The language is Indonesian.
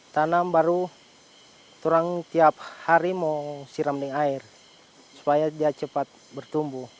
tanam baru turang tiap hari mau siram di air supaya dia cepat bertumbuh